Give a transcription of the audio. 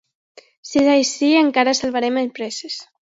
Si és així, encara salvarem empreses.